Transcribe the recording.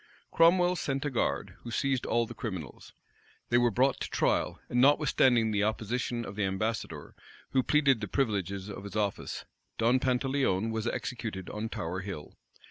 Cromwell sent a guard, who seized all the criminals. They were brought to trial; and notwithstanding the opposition of the ambassador, who pleaded the privileges of his office, Don Pantaleon was executed on Tower Hill.